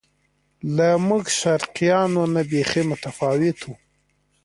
له موږ شرقیانو نه بیخي متفاوت و.